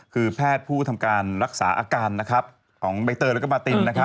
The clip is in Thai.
คือแพทย์ผู้ทำการรักษาอาการของใบเตยแล้วก็บาติน